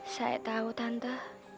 saya tahu tante